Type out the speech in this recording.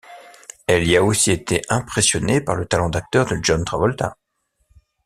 Elle y a aussi été impressionnée par le talent d'acteur de John Travolta.